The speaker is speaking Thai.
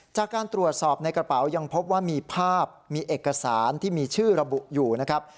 จากการตรวจสอบในกระเป๋ายังพบว่ามีภาพมีเอกสารที่มีชื่อระบุอยู่นะครับ